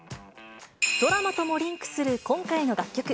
ドラマともリンクする今回の楽曲。